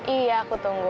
iya aku tunggu